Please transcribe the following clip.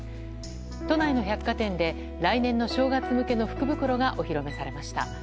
都内の百貨店で来年の正月向けの福袋がお披露目されました。